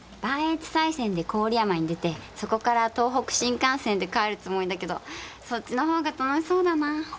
磐越西線で郡山に出てそこから東北新幹線で帰るつもりだけどそっちのほうが楽しそうだなぁ。